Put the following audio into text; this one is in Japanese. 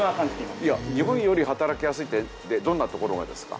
日本より働きやすいってどんなところがですか？